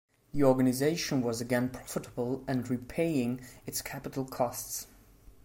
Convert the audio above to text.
The organisation was again profitable and repaying its capital costs.